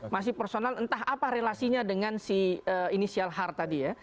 masih personal entah apa relasinya dengan si inisial har tadi ya